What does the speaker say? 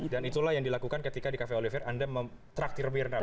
dan itulah yang dilakukan ketika di cafe olivia anda mem traktir mirna begitu